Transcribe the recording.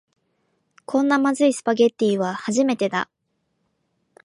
こんなまずいスパゲティは初めてだ